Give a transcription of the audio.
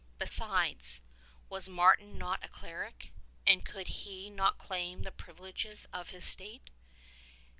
Besides, was Martin not a cleric, and could he not claim the privileges of his state